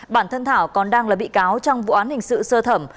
bản thân thảo còn đang là bị cáo trong vụ án hình sự sơ thẩm